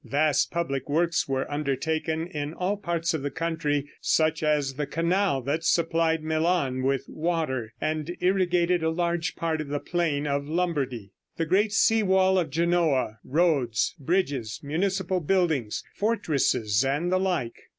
Vast public works were undertaken in all parts of the country, such as the canal that supplied Milan with water, and irrigated a large part of the plain of Lombardy; the great sea wall of Genoa; roads, bridges, municipal buildings, fortresses and the like.